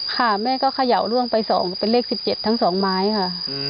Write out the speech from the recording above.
ค่ะแม่ก็เขย่าล่วงไป๒เป็นเลข๑๗ทั้ง๒ไม้ค่ะ